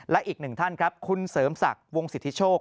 และอีกหนึ่งท่านครับคุณเสริมศักดิ์วงสิทธิโชค